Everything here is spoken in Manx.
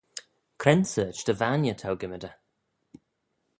Cre'n sorçh dy vainney t'ou gymmydey?